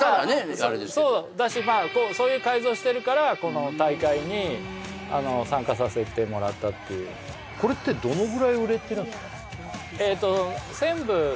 あれですけどそうだしそういう改造してるからこの大会に参加させてもらったっていうこれってどのぐらい売れてるんですか？